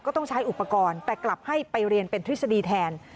ต้องใช้อุปกรณ์แต่กลับให้ไปเรียนเป็นทฤษฎีแทน